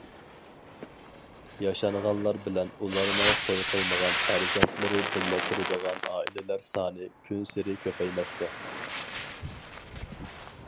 ياشانغانلار بىلەن ئۇلارنىڭ توي قىلمىغان پەرزەنتلىرى بىللە تۇرىدىغان ئائىلىلەر سانى كۈنسېرى كۆپەيمەكتە.